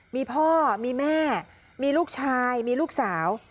มีพ่อมีแม่มีลูกชายมีลูกสาว